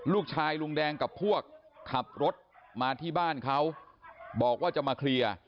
ลุงแดงกับพวกขับรถมาที่บ้านเขาบอกว่าจะมาเคลียร์